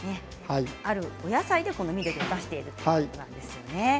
あるお野菜で、この緑を出しているということです。